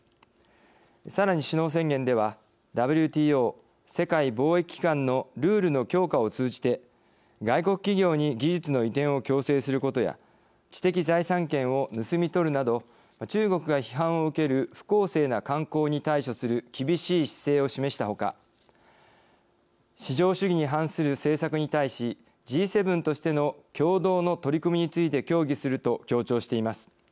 さらに首脳宣言ではＷＴＯ＝世界貿易機関のルールの強化を通じて外国企業に技術の移転を強制することや知的財産権を盗み取るなど中国が批判を受ける不公正な慣行に対処する厳しい姿勢を示したほか市場主義に反する政策に対しＧ７としての共同の取り組みについて協議すると強調しています。